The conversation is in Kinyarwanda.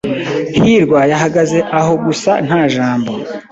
hirwa yahagaze aho gusa nta jambo.